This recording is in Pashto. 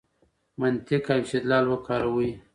منطق او استدلال وکاروئ.